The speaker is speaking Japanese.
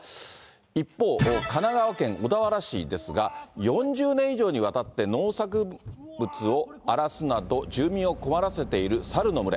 一方、神奈川県小田原市ですが、４０年以上にわたって、農作物を荒らすなど、住民を困らせているサルの群れ。